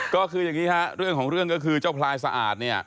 ก็คืออย่างนี้ฮะเรื่องของเรื่องก็คือเจ้าพลายสะอาดเนี่ย